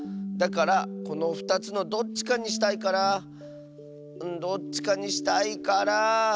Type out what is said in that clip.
だからこの２つのどっちかにしたいからどっちかにしたいから。